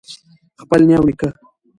خپل نیا او نیکه